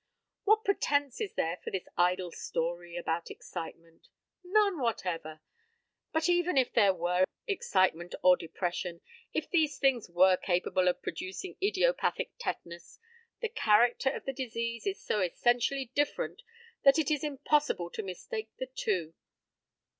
What pretence is there for this idle story about excitement? None whatever. But even if there were excitement or depression if these things were capable of producing idiopathic tetanus, the character of the disease is so essentially different that it is impossible to mistake the two.